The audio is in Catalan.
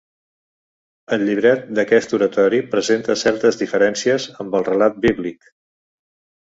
El llibret d'aquest oratori presenta certes diferències amb el relat bíblic.